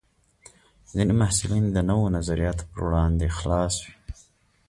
ځینې محصلین د نوو نظریاتو پر وړاندې خلاص وي.